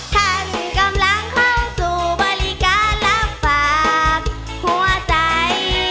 ท่านกำลังเข้าสู่บริการรับฝากหัวใจ